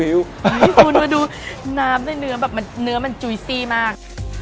คุณมาดูน้ำในเนื้อแบบเนื้อมันจุยซี่มาก